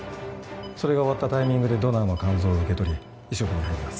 それが終わったタイミングでドナーの肝臓を受け取り移植に入ります。